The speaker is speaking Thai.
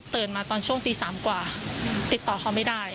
ตื่นมาตอนช่วงตี๓กว่าติดต่อเขาไม่ได้